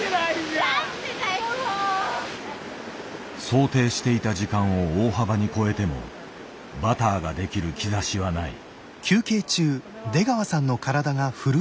想定していた時間を大幅に超えてもバターが出来る兆しはない。